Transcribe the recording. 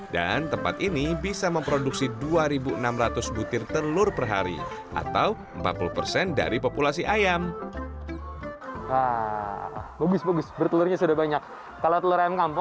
dan tempat ini bisa memproduksi dua enam ratus butir telur per hari atau empat puluh dari populasi ayam